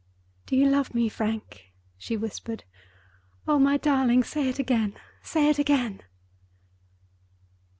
"Do you love me, Frank?" she whispered. "Oh, my darling, say it again! say it again!"